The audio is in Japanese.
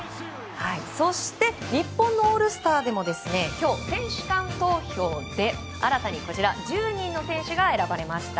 そして日本のオールスターでも今日、選手間投票で新たに１０人の選手が選ばれました。